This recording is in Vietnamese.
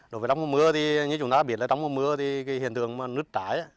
đối với trong mùa mưa thì như chúng ta biết là trong mùa mưa thì hiện thường nứt trái